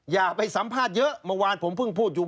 อย่าไปสัมภาษณ์เยอะเมื่อวานผมเพิ่งพูดอยู่